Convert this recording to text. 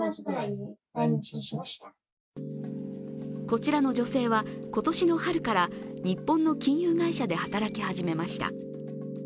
こちらの女性は今年の春から日本の金融会社で働き始めました。